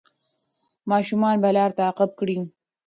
ماشومان به لار تعقیب کړي.